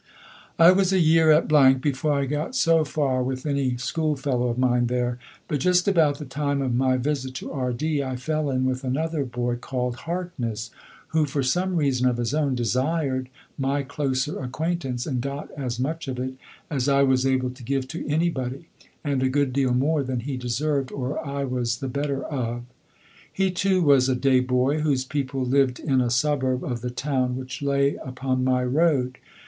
I was a year at before I got so far with any schoolfellow of mine there; but just about the time of my visit to R d I fell in with another boy, called Harkness, who, for some reason of his own, desired my closer acquaintance and got as much of it as I was able to give to anybody, and a good deal more than he deserved or I was the better of. He, too, was a day boy, whose people lived in a suburb of the town which lay upon my road.